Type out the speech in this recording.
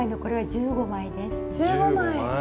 １５枚！